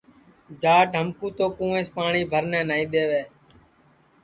جاٹ ہم کُو تو کُووینٚس پاٹؔی بھرن نائی دے وے